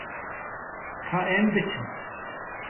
Ka em biçin.